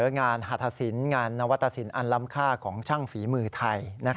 งานหัตถสินงานสินอันล้ำค่าของชั่งฝีมือไทย